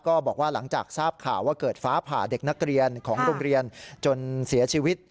ก็บอกว่าหลังจากทราบข่าวว่าเกิดฟ้าผ่าเด็กนักเรียนของโรงเรียนจนเสียชีวิต